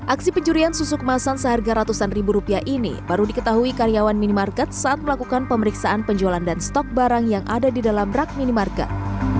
aksi pencurian susu kemasan seharga ratusan ribu rupiah ini baru diketahui karyawan minimarket saat melakukan pemeriksaan penjualan dan stok barang yang ada di dalam rak minimarket